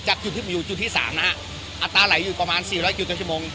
จากจุดที่ผมอยู่จุดที่๓นะฮะอัตราไหลอยู่ประมาณ๔๐๐กิโลเจมส์ชั่วโมง